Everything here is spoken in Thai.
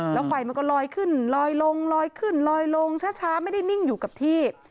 แล้วไฟมันก็ลอยขึ้นลอยลงลอยขึ้นลอยลงช้าไม่ได้นิ่งอยู่กับที่